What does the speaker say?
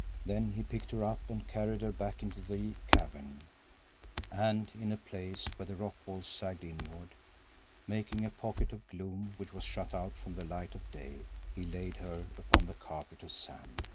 Then he picked her up and carried her back into the cavern, and in a place where the rock wall sagged inward, making a pocket of gloom which was shut out from the light of day, he laid her upon the carpet of sand.